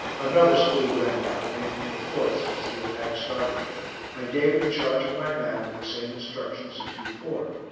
Another spool ran out, making the fourth since the attack started. I gave it in charge of my man, with the same instructions as before.